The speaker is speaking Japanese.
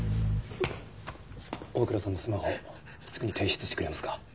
大倉さんのスマホすぐに提出してくれますか？